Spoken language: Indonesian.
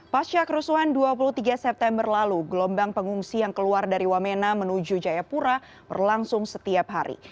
pasca kerusuhan dua puluh tiga september lalu gelombang pengungsi yang keluar dari wamena menuju jayapura berlangsung setiap hari